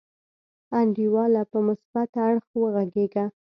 انډیواله په مثبت اړخ وغګیږه.